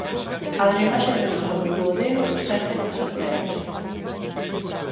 A drenaxe venosa do duodeno segue as arterias.